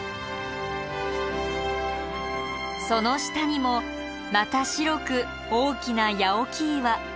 その下にもまた白く大きな八起岩。